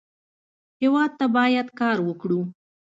هېواد ته باید کار وکړو